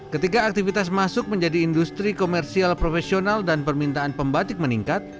ketika aktivitas masuk menjadi industri komersial profesional dan permintaan pembatik meningkat